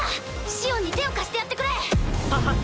シオンに手を貸してやってくれ！ははっ！